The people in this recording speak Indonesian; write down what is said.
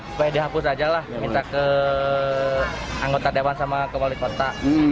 supaya dihapus aja lah minta ke anggota dewan sama ke wali kota